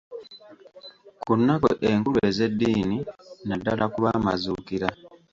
Ku nnaku enkulu ez'eddiini, naddala ku lw'amazuukira.